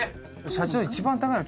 社長。